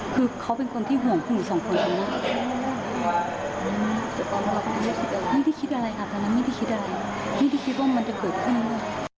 คือเขาเป็นคนที่ห่วงคุณสองคนค่ะนี่คิดอะไรครับนี่คิดว่ามันจะเกิดขึ้นด้วย